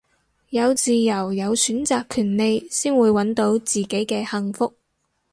有自由有選擇權利先會搵到自己嘅幸福